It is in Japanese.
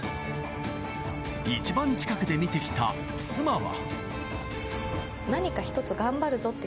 一番近くで見てきた妻は。